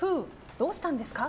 どうしたんですか？